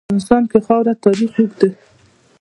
په افغانستان کې د خاوره تاریخ اوږد دی.